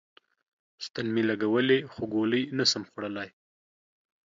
ستن می لګولی خو ګولی نسم خوړلای